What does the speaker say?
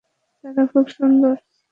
তারা খুব সুন্দর।